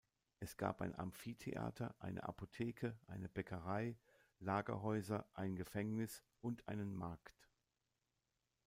Es gab ein Amphitheater, eine Apotheke, eine Bäckerei, Lagerhäuser, ein Gefängnis und einen Markt.